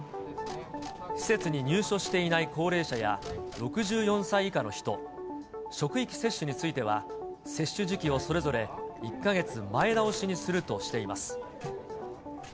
施設に入所していない高齢者や、６４歳以下の人、職域接種については、接種時期をそれぞれ１か月前倒しにするとしています。